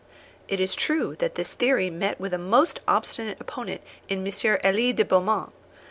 It is true that this theory met with a most obstinate opponent in M. Elie de Beaumont.